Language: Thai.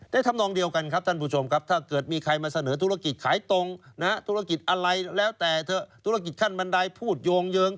ทำนองเดียวกันครับท่านผู้ชมครับถ้าเกิดมีใครมาเสนอธุรกิจขายตรงนะฮะธุรกิจอะไรแล้วแต่เถอะธุรกิจขั้นบันไดพูดโยงเยิ้ง